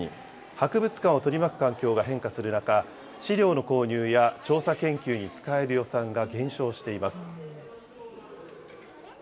博物館を取り巻く環境が変化する中、資料の購入や調査研究に使える予算が減少しています。